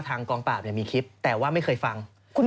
กองปราบมีคลิปแต่ว่าไม่เคยฟัง